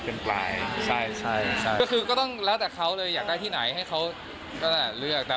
ใช่คือก็ต้องแล้วแต่เขาเลยอยากได้ที่ไหนให้เขาเลือก